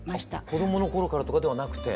子供の頃からとかではなくて？